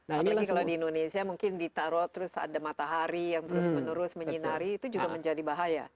apalagi kalau di indonesia mungkin ditaruh terus ada matahari yang terus menerus menyinari itu juga menjadi bahaya